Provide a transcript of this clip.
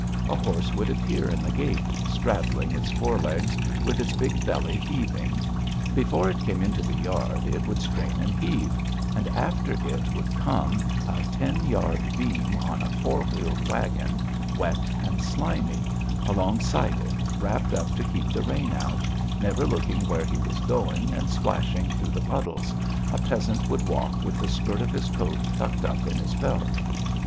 A horse would appear in the gate, straddling its fore legs, with its big belly heaving; before it came into the yard it would strain and heave and after it would come a ten yard beam in a four wheeled wagon, wet and slimy; alongside it, wrapped up to keep the rain out, never looking where he was going and splashing through the puddles, a peasant would walk with the skirt of his coat tucked up in his belt.